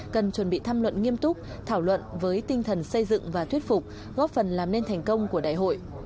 cần chuẩn bị tham luận nghiêm túc thảo luận với tinh thần xây dựng và thuyết phục góp phần làm nên thành công của đại hội